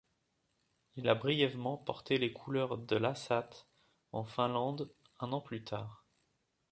Il a brièvement porté les couleurs de l'Ässät en Finlande un an plus tard.